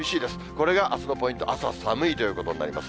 これがあすのポイント、朝寒いということになります。